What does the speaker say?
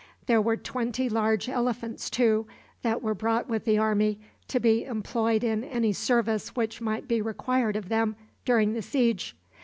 There were twenty large elephants, too, that were brought with the army, to be employed in any service which might be required of them during the siege.